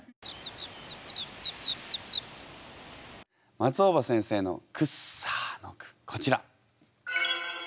松尾葉先生の「くっさー」の句こちら。